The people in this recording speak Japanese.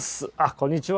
こんにちは。